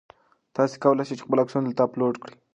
تاسي کولای شئ خپل عکسونه دلته اپلوډ کړئ.